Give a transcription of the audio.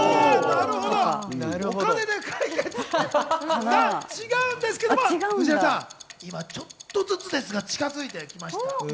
なるほどお金に解決、違うんですけども、今ちょっとずつですが、近づいてきました。